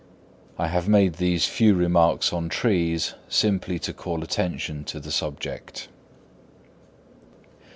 I have made these few remarks on trees simply to call attention to the subject.